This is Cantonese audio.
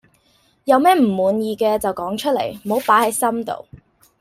有乜唔滿意嘅就講出嚟，唔好擺係心度。